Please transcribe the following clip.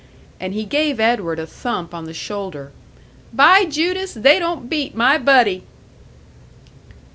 And he gave Edward a thump on the shoulder. "By Judas, they don't beat my buddy!"